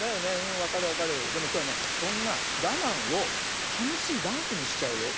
でもきょうはねそんながまんをたのしいダンスにしちゃうよ。